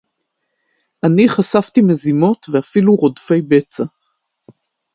אני חשפתי מזימות ואפילו רודפי בצע